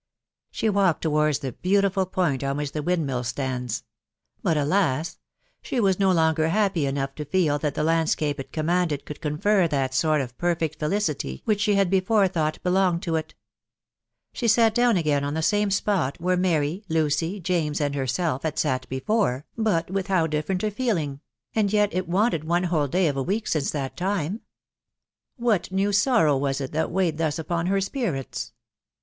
She walked towards the beautiful point on which the windmill stands ; but alas 1 she was no longer happy enough to feel that the landscape it commanded could confer that sort of perfect felicity which she had before thought belonged to it. She sat down again, on the same spot where Mary, Lucy, James, and herself had sat before, but with how different a feeling ! and yet it wanted one whole day of a week since that time. What new sorrow was it that weighed thus upon her spirits ?.